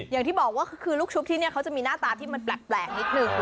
อย่างที่บอกว่าคือลูกชุบที่นี่เขาจะมีหน้าตาที่มันแปลกนิดนึง